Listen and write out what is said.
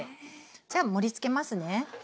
じゃあ盛りつけますね。